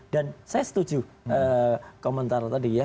dan saya setuju komentar tadi ya